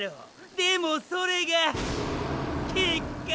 でもォそれが結果や！